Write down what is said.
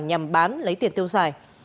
nhằm bán lấy tiền tiêu xài